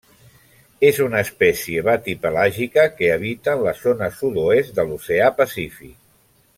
És una espècie batipelàgica que habita en la zona sud-oest de l'oceà Pacífic.